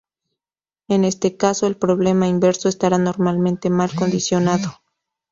En este caso el problema inverso estará normalmente mal condicionado.